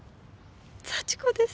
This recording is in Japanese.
幸子です。